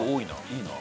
いいな。